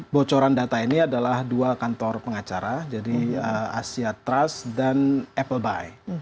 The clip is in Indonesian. bocoran data ini adalah dua kantor pengacara jadi asia trust dan apple buy